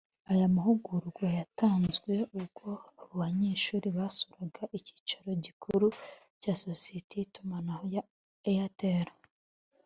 Aya mahugurwa yatanzwe ubwo abo banyeshuri basuraga icyicaro gikuru cya sosiyete y’itumanaho ya Airtel